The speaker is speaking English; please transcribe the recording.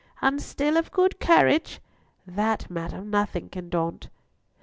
"And still of good courage?" "That, madam, nothing can daunt."